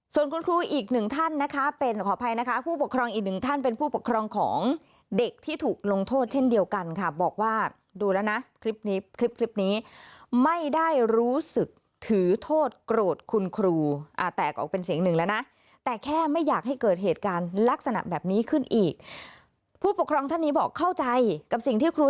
ส่วนคุณครูอีกหนึ่งท่านนะคะเป็นขออภัยนะคะผู้ปกครองอีกหนึ่งท่านเป็นผู้ปกครองของเด็กที่ถูกลงโทษเช่นเดียวกันค่ะบอกว่าดูแล้วนะคลิปนี้คลิปคลิปนี้ไม่ได้รู้สึกถือโทษโกรธคุณครูแตกออกเป็นเสียงหนึ่งแล้วนะแต่แค่ไม่อยากให้เกิดเหตุการณ์ลักษณะแบบนี้ขึ้นอีกผู้ปกครองท่านนี้บอกเข้าใจกับสิ่งที่ครู